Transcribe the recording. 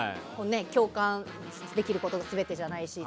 共感できることが全てじゃないし。